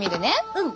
うん。